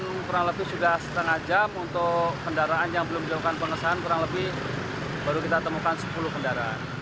dan kurang lebih sudah setengah jam untuk kendaraan yang belum dilakukan pengesahan kurang lebih baru kita temukan sepuluh kendaraan